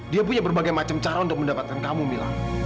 dia punya berbagai macam cara untuk mendapatkan kamu bilang